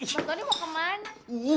mas tony mau kemana